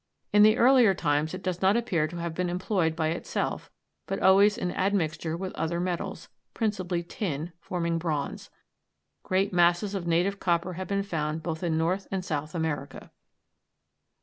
In the earlier times it does not appear to have been employed by itself, but always in admixture with other metals, principally tin, forming bronze. Great masses of native copper have been found both in North and South America.